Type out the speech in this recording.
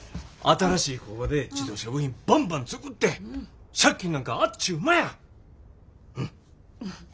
新しい工場で自動車部品バンバン作って借金なんかあっちゅう間や。